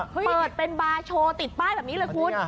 เปิดเป็นบาร์โชว์ติดป้ายแบบนี้เลยคุณ